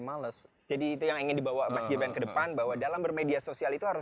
males jadi itu yang ingin dibawa masjid yang kedepan bahwa dalam bermedia sosial itu harus